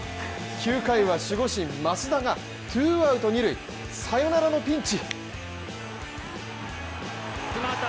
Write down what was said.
９回は守護神・益田がツーアウト２塁、サヨナラのピンチ。